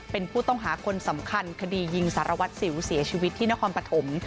เป็นผู้ต้องหาคนสำคัญคดียิงสารวัตรสิวเสียชีวิตที่นครปฐม